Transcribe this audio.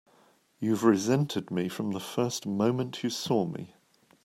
You've resented me from the first moment you saw me!